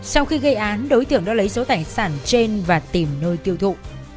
sau khi gây án đối tượng đã lấy số tài sản trên và tìm nơi tiêu thụ